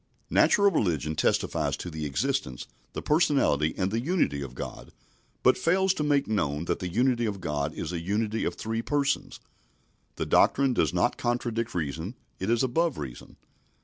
Natural religion testifies to the existence, the personality, and the unity of God, but fails to make known that the unity of God is a unity of three Persons. The doctrine does not contradict reason, it is above reason.